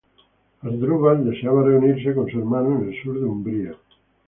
Asdrúbal deseaba reunirse con su hermano en el sur de Umbría.